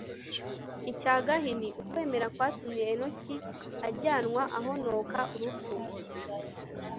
icya gahini. ukwemera kwatumye henoki ajyanwa ahonoka urupfu